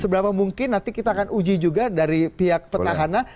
seberapa mungkin nanti kita akan uji juga dari pihak petahana